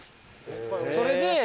それで。